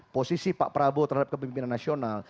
posisi pak prabowo terhadap kepemimpinan nasional